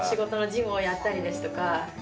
事務をやったりですとか。